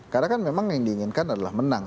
karena kan memang yang diinginkan adalah menang